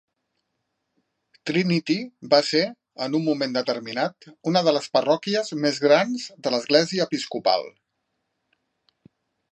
Trinity va ser, en un moment determinat, una de les parròquies més grans de l'església episcopal.